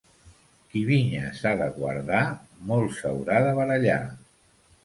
Qui vinyes ha de guardar, molt s'haurà de barallar.